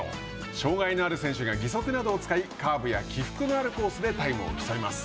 傷害のある選手が義足などを使いカーブや起伏のあるコースでタイムを競います。